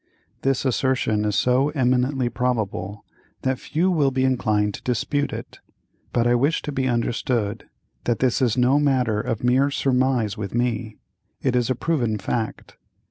This assertion is so eminently probable that few will be inclined to dispute it, but I wish to be understood that this is no matter of mere surmise with me—it is a proven fact.